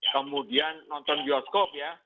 kemudian nonton bioskop ya